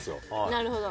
なるほど。